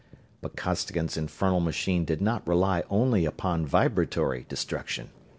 But Costigan's infernal machine did not rely only upon vibratory destruction.